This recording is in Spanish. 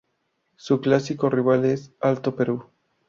Su clásico rival es Alto Perú.